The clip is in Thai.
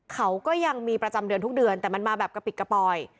เขาก็ยังมีประจำเดือนทุกเดือนแต่มันมาแบบกระปิดกระปอย